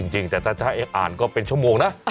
จริงแต่ถ้าจะให้อ่านก็เป็นชั่วโมงนะ